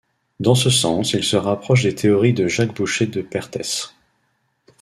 Dans ce sens il se rapproche des théories de Jacques Boucher de Perthes.